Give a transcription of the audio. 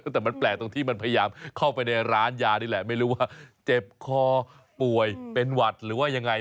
แต่มันแปลกตรงที่มันพยายามเข้าไปในร้านยานี่แหละไม่รู้ว่าเจ็บคอป่วยเป็นหวัดหรือว่ายังไง